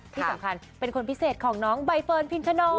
ที่สำคัญเป็นคนพิเศษของน้องใบเฟิร์นพินทโน